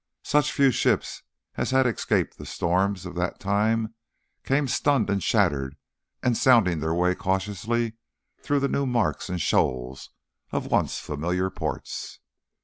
Such few ships as had escaped the storms of that time came stunned and shattered and sounding their way cautiously through the new marks and shoals of once familiar ports.